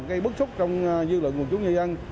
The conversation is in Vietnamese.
gây bức xúc trong dư lượng của chúng dân